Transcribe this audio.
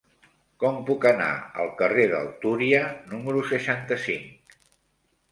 Com puc anar al carrer del Túria número seixanta-cinc?